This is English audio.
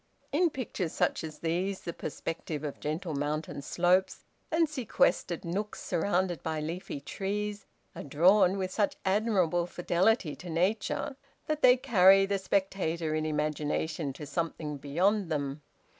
In pictures such as these, the perspective of gentle mountain slopes, and sequestered nooks surrounded by leafy trees, are drawn with such admirable fidelity to Nature that they carry the spectator in imagination to something beyond them.